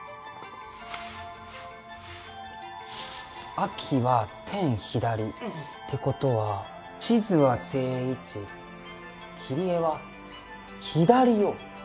秋は「天・左」ってことは地図は正位置切り絵は左を上に。